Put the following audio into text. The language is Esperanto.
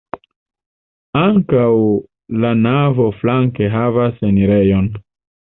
Ankaŭ la navo flanke havas enirejon.